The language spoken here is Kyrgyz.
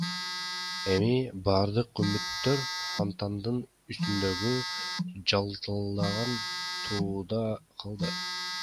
Эми бардык үмүттөр фонтандын үстүндөгү жалтылдаган тууда калды.